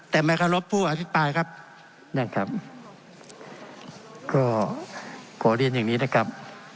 แต่ไม่เคารพผู้อภิปรายครับนะครับก็ขอเรียนอย่างนี้นะครับ